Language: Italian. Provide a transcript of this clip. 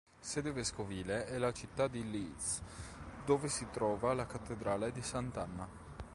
Sede vescovile è la città di Leeds, dove si trova la cattedrale di Sant'Anna.